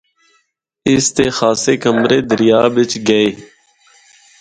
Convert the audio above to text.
اس دے خاصے کمرے دریا بچ گئے۔